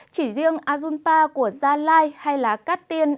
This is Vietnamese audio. chỉ riêng azunpa của gia lai hay là cát tiên